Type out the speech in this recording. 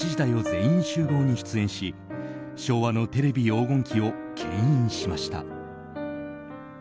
全員集合」に出演し昭和のテレビ黄金期を牽引しました。